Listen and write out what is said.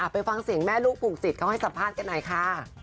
ไปฟังเสียงแม่ลูกปลูกจิตเขาให้สัมภาษณ์กันหน่อยค่ะ